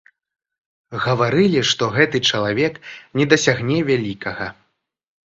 Гаварылі, што гэты чалавек не дасягне вялікага.